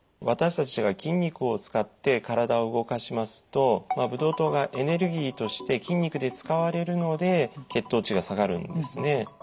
私たちが筋肉を使って体を動かしますとブドウ糖がエネルギーとして筋肉で使われるので血糖値が下がるんですね。